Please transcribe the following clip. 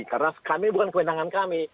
karena kami bukan kewenangan kami